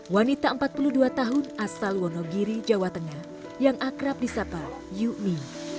wanita empat puluh dua tahun asal wonogiri jawa tengah yang akrab di sapa yumi